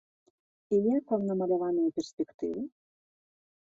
І як вам намаляваныя перспектывы?